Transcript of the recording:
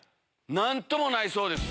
何ともないそうです。